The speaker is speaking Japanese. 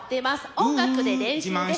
音楽で練習です。